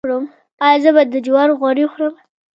ایا زه باید د جوارو غوړي وخورم؟